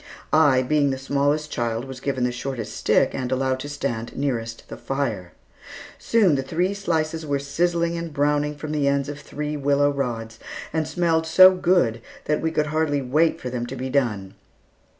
I, being the smallest child, was given the shortest stick, and allowed to stand nearest the fire. Soon the three slices were sizzling and browning from the ends of three willow rods, and smelled so good that we could hardly wait for them to be done.